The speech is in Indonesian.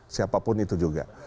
siapapun itu juga